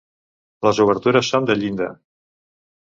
Les obertures són de llinda.